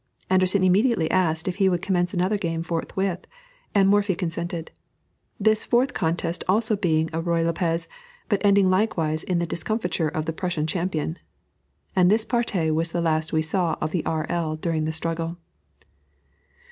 Anderssen immediately asked if he would commence another game forthwith, and Morphy consented; this fourth contest being also a Ruy Lopez, but ending likewise in the discomfiture of the Prussian champion. And this partie was the last we saw of R. L. during the struggle.